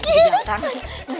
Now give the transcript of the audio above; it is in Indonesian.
kita mau beli